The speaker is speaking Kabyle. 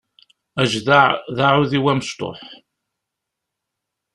Ajdaɛ d aɛudiw amecṭuḥ.